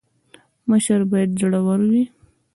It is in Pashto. مشر باید زړه ور وي